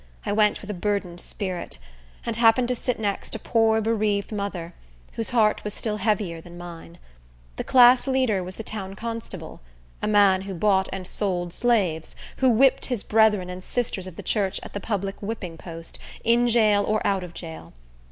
I went with a burdened spirit, and happened to sit next a poor, bereaved mother, whose heart was still heavier than mine. The class leader was the town constable—a man who bought and sold slaves, who whipped his brethren and sisters of the church at the public whipping post, in jail or out of jail.